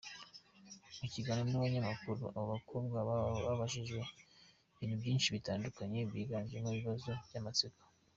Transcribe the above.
Mu kiganiro n’abanyamakuru, aba bakobwa babajijwe ibintu byinshi bitandukanye byiganjemo ibibazo by’amatsiko.